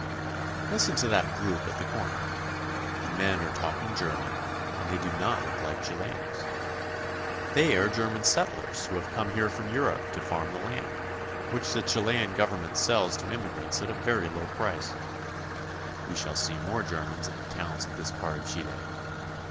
Listen to that group at the corner. The men are talk ing German, and they do not look like Chileans. They are German settlers who have come here from Europe to farm the land, which the Chilean government sells to im migrants at a very low price. We shall see more Ger mans in the towns of this part of Chile.